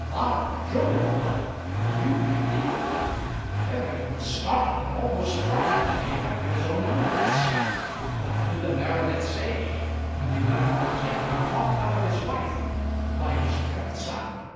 "By Jove! but will you really?" Peregrine was startled and almost frightened at the effect of his own eloquence. What would the baronet say when he learned that he had been talked out of his wife by his grandson?